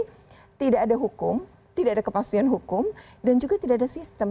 itu tidak ada hukum tidak ada kepastian hukum dan juga tidak ada sistem